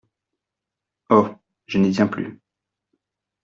Oh ! je n’y tiens plus !…